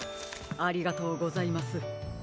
ありがとうございます。